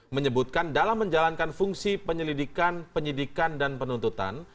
menyebutkan dalam menjalankan fungsi penyelidikan penyidikan dan penuntutan